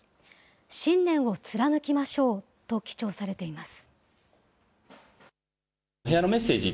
信念を貫きましょうと記帳されています。